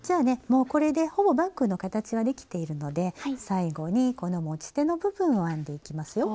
もうこれでほぼバッグの形はできているので最後にこの持ち手の部分を編んでいきますよ。